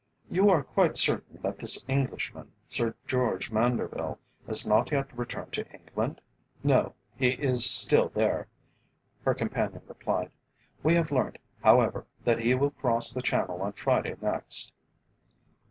"You are quite certain that this Englishman, Sir George Manderville, has not yet returned to England?" "No, he is still there," her companion replied. "We have learnt, however, that he will cross the channel on Friday next."